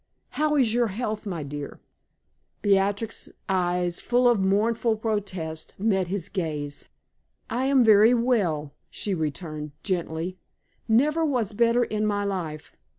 How is your health, my dear?" Beatrix's eyes full of mournful protest met his gaze. "I am very well," she returned, gently; "never was better in my life.